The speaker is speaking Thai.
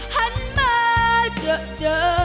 หันมาเจอ